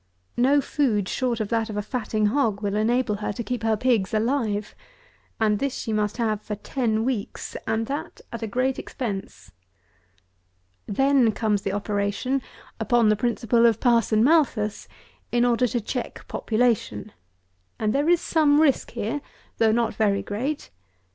No food short of that of a fatting hog will enable her to keep her pigs alive; and this she must have for ten weeks, and that at a great expense. Then comes the operation, upon the principle of Parson Malthus, in order to check population; and there is some risk here, though not very great.